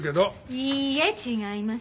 いいえ違います。